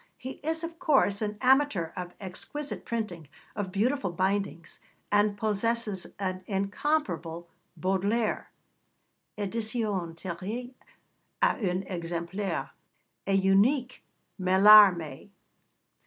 He is, of course, an amateur of exquisite printing, of beautiful bindings, and possesses an incomparable Baudelaire (édition tirée à un exemplaire), a unique Mallarmé.